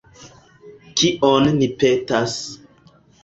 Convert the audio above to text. Kion ni petas.